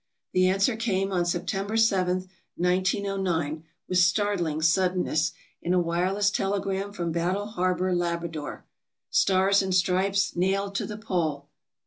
The answer came on September 7, 1909, with startling suddenness, in a wireless telegram from Battle Harbor, Labrador: "Stars and Stripes nailed to the Pole.